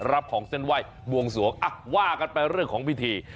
รับของเส้นไหว้บวงสวงว่ากันไปเรื่องของพิธี